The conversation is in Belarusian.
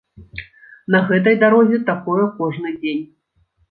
На гэтай дарозе такое кожны дзень.